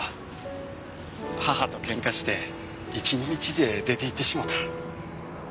母とケンカして１日で出て行ってしもた。